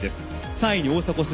３位に大迫傑。